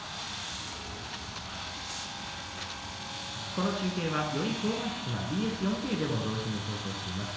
この中継はより高画質なＢＳ４Ｋでも放送しています。